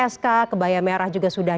sk kebaya merah juga sudah